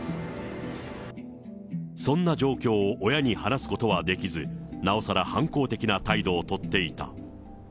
そんな状況を親に話すことはできず、なおさら反抗的な態度を取っていた。